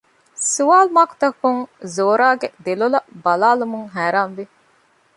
ސުވާލު މާކުތަކަކުން ޒޯރާގެ ދެލޮލަށް ބަލާލަމުން ހައިރާން ވި